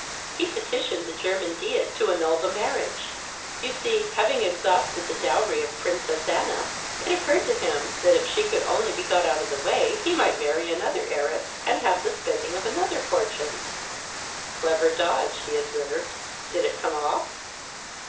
"He petitioned the German Diet to annul the marriage. You see, having exhausted the dowry of the Princess Anna, it occurred to him that if she could only be got out of the way, he might marry another heiress, and have the spending of another fortune." "Clever dodge," he observed. "Did it come off?"